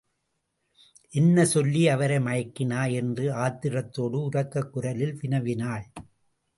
என்ன சொல்லி அவரை மயக்கினாய்? என்று ஆத்திரத்தோடு உரத்த குரலில் வினவினாள்.